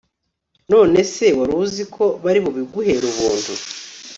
nonese waruzi ko bari bubiguhere ubuntu